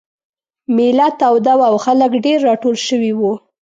مېله توده وه او خلک ډېر راټول شوي وو.